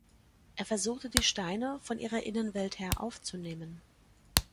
Er versuchte die Steine von ihrer Innenwelt her aufzunehmen.